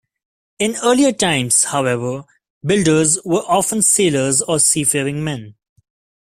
In earlier times, however, builders were often sailors or seafaring men.